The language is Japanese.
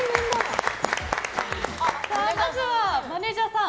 まずはマネジャーさん